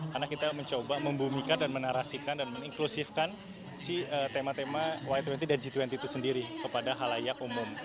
karena kita mencoba membumikan dan menarasikan dan menginklusifkan si tema tema y dua puluh dan g dua puluh itu sendiri kepada halayak umum